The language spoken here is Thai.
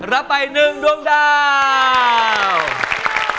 รับไป๑ดวงดาว